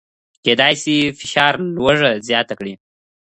کېدای شي فشار لوږه زیاته کړي.